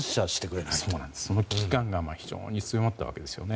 その危機感が非常に強まったわけですよね。